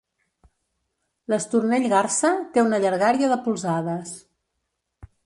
L'estornell garsa té una llargària de polzades.